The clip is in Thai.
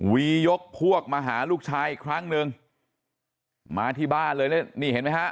ยกพวกมาหาลูกชายอีกครั้งหนึ่งมาที่บ้านเลยแล้วนี่เห็นไหมฮะ